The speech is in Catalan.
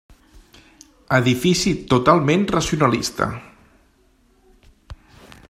Edifici totalment racionalista.